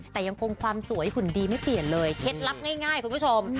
แต่ยังคงความสวยหุ่นดีไม่เปลี่ยนเลยเคล็ดลับง่ายคุณผู้ชม